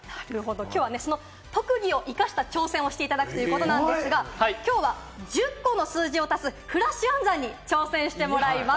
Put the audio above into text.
きょうはその特技を生かした挑戦をしてもらおうと思うんですが、きょうは１０個の数字を足すフラッシュ暗算に挑戦してもらいます。